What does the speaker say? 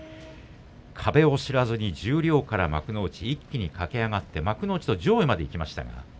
壁を知らずに十両から幕内に一気に駆け上がって幕内上位までいきました。